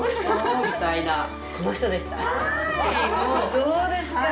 そうですか。